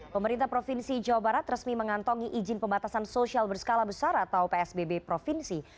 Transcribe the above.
pemerintah provinsi jawa barat resmi mengantongi izin pembatasan sosial berskala besar atau psbb provinsi